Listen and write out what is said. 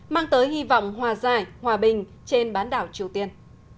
mang tới hy vọng hòa giải hòa bình trên bán đảo triều tiên